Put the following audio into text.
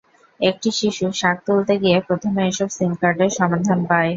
একটি শিশু শাক তুলতে গিয়ে প্রথমে এসব সিম কার্ডের সন্ধান পায়।